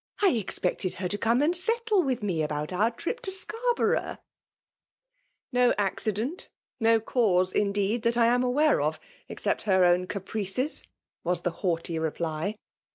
I ex* pected her to come and settle \Yith .me about I *' our trip to Scarbctough;'^ "No accident^ no catis^ in^ecd^ that I ain aware of, except her 'own caprices,*' tvas the hfu^iiy ireply.